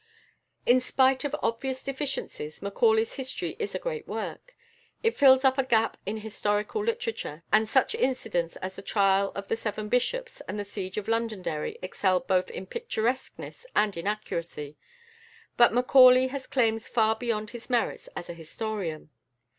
In spite of obvious deficiencies, Macaulay's history is a great work. It fills up a gap in historical literature, and such incidents as the trial of the seven bishops and the siege of Londonderry excel both in picturesqueness and in accuracy. But Macaulay has claims far beyond his merits as a historian.